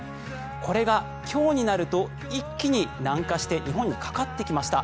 これが今日になると一気に南下して日本にかかってきました。